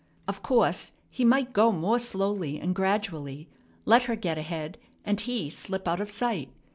Of course he might go more slowly and gradually, let her get ahead, and he slip out of sight.